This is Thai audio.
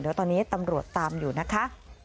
เดี๋ยวตอนนี้ตำรวจตามอยู่นะคะ